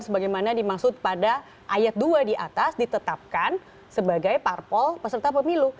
sebagaimana dimaksud pada ayat dua di atas ditetapkan sebagai parpol peserta pemilu